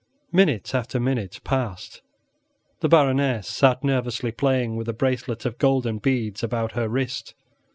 Minute after minute passed; the Baroness sat nervously playing with a bracelet of golden beads about her wrist.